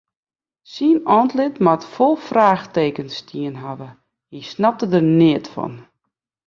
Syn antlit moat fol fraachtekens stien hawwe, hy snapte der neat fan.